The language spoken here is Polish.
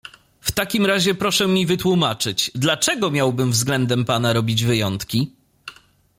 "W takim razie proszę mi wytłumaczyć, dlaczego miałbym względem pana robić wyjątki?"